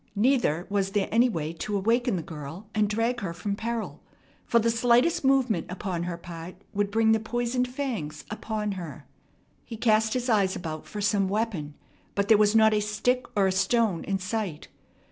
Neither was there any way to awaken the girl and drag her from peril, for the slightest movement upon her part would bring the poisoned fangs upon her. He cast his eyes about for some weapon, but there was not a stick or a stone in sight.